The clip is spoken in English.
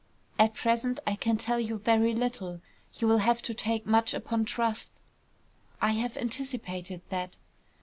At present I can tell you very little. You will have to take much upon trust." "I have anticipated that."